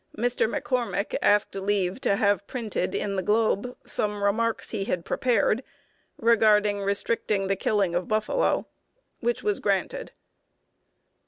] On April 6, 1872, Mr. McCormick asked leave to have printed in the Globe some remarks he had prepared regarding restricting the killing of buffalo, which was granted.